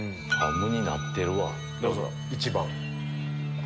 無になってるわ。